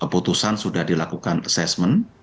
keputusan sudah dilakukan assessment